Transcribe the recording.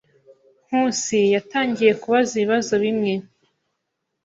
Nkusi yatangiye kubaza ibibazo bimwe.